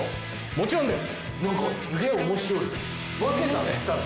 もちろんです！